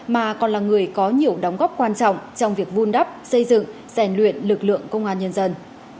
mà còn là người có nhiều đóng góp quan trọng trong việc vun đắp xây dựng rèn luyện lực lượng công an nhân dân